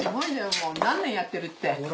もう何年やってるって。